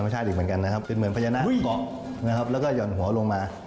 ก็เหมือนพญานาคก๋อแล้วก็หย่อนหัวลงมา